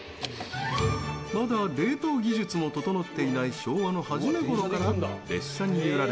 まだ冷凍技術も整っていない昭和の初め頃から、列車に揺られ